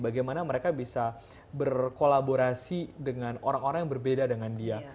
bagaimana mereka bisa berkolaborasi dengan orang orang yang berbeda dengan dia